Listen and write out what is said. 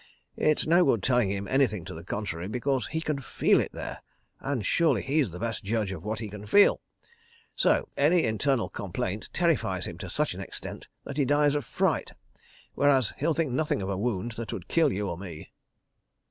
It's no good telling him anything to the contrary—because he can feel It there, and surely he's the best judge of what he can feel? So any internal complaint terrifies him to such an extent that he dies of fright—whereas he'll think nothing of a wound that would kill you or me.